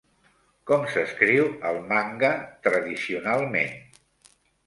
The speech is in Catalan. Com s'escriu el manga tradicionalment?